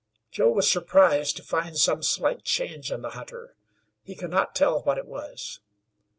Joe was surprised to find some slight change in the hunter. He could not tell what it was.